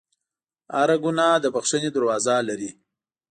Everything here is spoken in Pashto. هر ګناه د بخښنې دروازه لري.